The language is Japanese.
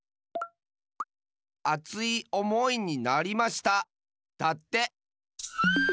「あついおもいになりました」だって！